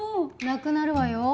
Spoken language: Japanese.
なくなるわよ。